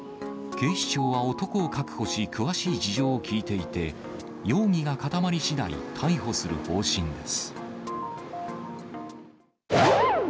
警視庁は男を確保し、詳しい事情を聴いていて、容疑が固まりしだい、逮捕する方針です。